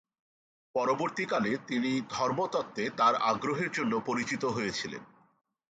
পরবর্তীকালে তিনি ধর্মতত্ত্বে তার আগ্রহের জন্য পরিচিত হয়েছিলেন।